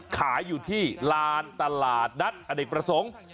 ขายที่ลานคดัชน์อปสงศ์